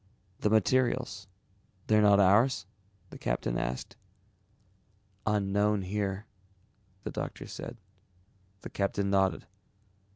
"The materials, they're not ours?" the captain asked. "Unknown here," the doctor said. The captain nodded.